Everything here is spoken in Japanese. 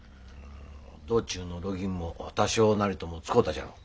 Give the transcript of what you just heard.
道中の路銀も多少なりとも使うたじゃろう。